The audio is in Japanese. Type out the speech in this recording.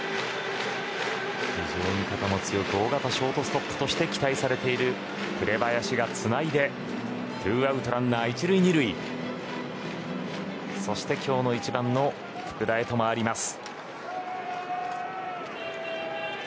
非常に肩も強く大型ショートストップとして期待されている紅林がつないで２アウト、ランナー１塁２塁そして、今日の１番の福田へと回ります。